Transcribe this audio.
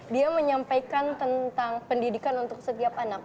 dia menyampaikan tentang pendidikan untuk setiap anak